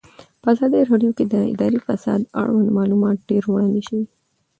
په ازادي راډیو کې د اداري فساد اړوند معلومات ډېر وړاندې شوي.